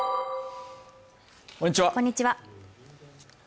こんにちは